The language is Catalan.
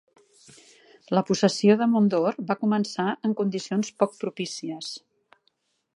La possessió de Mondor va començar en condicions poc propícies.